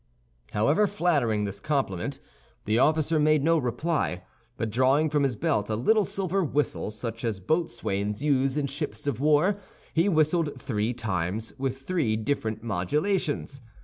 However flattering this compliment, the officer made no reply; but drawing from his belt a little silver whistle, such as boatswains use in ships of war, he whistled three times, with three different modulations.